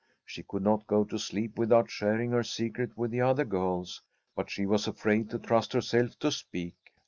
She could not go to sleep without sharing her secret with the other girls, but she was afraid to trust herself to speak.